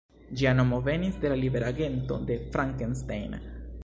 Ĝia nomo venis de la libera gento „de Frankenstein“.